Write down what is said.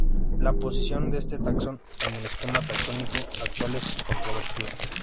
La posición de este taxón en el esquema taxonómico actual es controvertida.